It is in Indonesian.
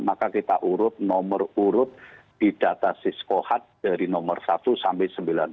maka kita urut nomor urut di data siskohat dari nomor satu sampai sembilan puluh